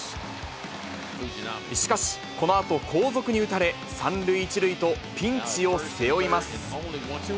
しかし、このあと後続に打たれ、３塁１塁とピンチを背負います。